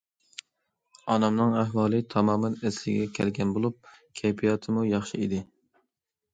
ئانامنىڭ ئەھۋالى تامامەن ئەسلىگە كەلگەن بولۇپ كەيپىياتىمۇ ياخشى ئىدى.